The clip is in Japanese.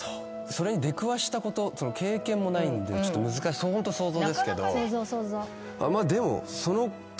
それに出くわしたこと経験もないんでホント想像ですけど。